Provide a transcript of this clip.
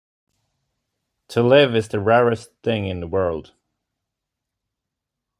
To live is the rarest thing in the world.